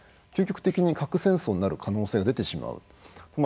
究極的に核戦争になる可能性が出てきてしまう。